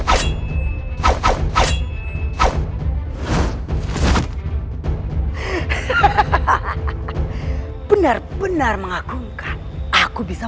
aku akan terus memancing amarahnya